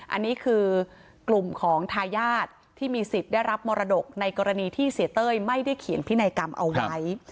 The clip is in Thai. อันนี้คือกลุ่มของทายาทที่มีสิทธิ์ได้รับมรดกในกรณีที่เสียเต้ยไม่ได้เขียนพินัยกรรมเอาไว้